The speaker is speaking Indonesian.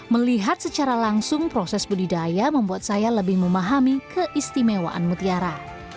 melihat secara langsung proses budidaya membuat saya lebih memahami keistimewaan mutiara